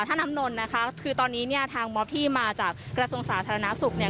ท่าน้ำนนท์นะคะคือตอนนี้เนี่ยทางม็อบที่มาจากกระทรวงสาธารณสุขเนี่ย